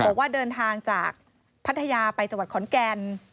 บอกว่าเดินทางจากพัทยาไปจังหวัดขอนแก่น